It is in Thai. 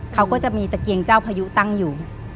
เขาก็จะมีตะเกียงเจ้าพยุตั้งอยู่